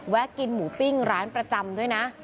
กินหมูปิ้งร้านประจำด้วยนะ